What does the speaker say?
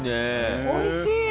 おいしい！